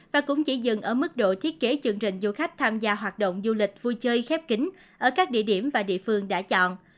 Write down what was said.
và cũng chỉ dừng ở mức độ thiết kế chương trình du khách tham gia hoạt động du lịch vui chơi khép kính ở các địa điểm và địa phương đã chọn